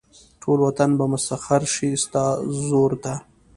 ټول وطن به مسخر شي ستاسې زور ته.